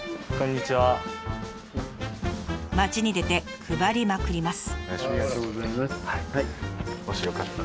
町に出て配りまくります。